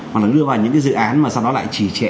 hoặc là đưa vào những cái dự án mà sau đó lại trì trệ